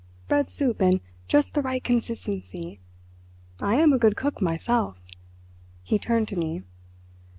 Bread soup, and just the right consistency. I am a good cook myself"—he turned to me.